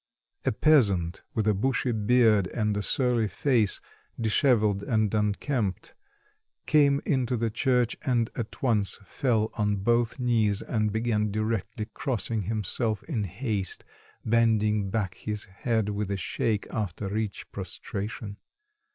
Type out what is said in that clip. A peasant with a bushy beard and a surly face, dishevelled and unkempt, came into the church, and at once fell on both knees, and began directly crossing himself in haste, bending back his head with a shake after each prostration.